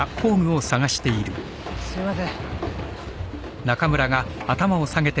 すいません。